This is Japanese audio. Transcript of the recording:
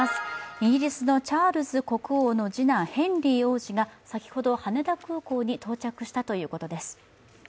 イギリスのチャールズ国王の次男、ヘンリー王子が先ほど羽田空港に到着したということです。